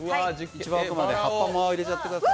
一番奥まで葉っぱも入れちゃってください。